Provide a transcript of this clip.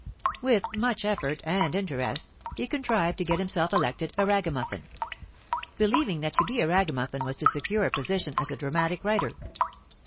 With much effort and interest he contrived to get himself elected a Ragamuffin; believing that to be a Ragmuffin was to secure a position as a dramatic writer.